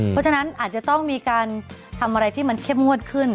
เพราะฉะนั้นอาจจะต้องมีการทำอะไรที่มันเข้มงวดขึ้น